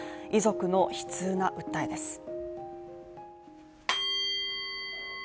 遺族の悲痛な訴えです。